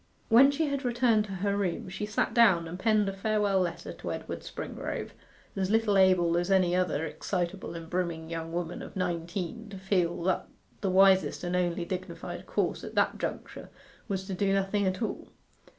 When she had returned to her room she sat down and penned a farewell letter to Edward Springrove, as little able as any other excitable and brimming young woman of nineteen to feel that the wisest and only dignified course at that juncture was to do nothing at all.